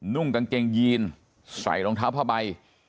นุ่งกางเกงยีนใส่รองเท้าผ้าใบ